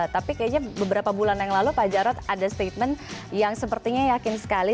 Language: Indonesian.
tapi kayaknya beberapa bulan yang lalu pak jarod ada statement yang sepertinya yakin sekali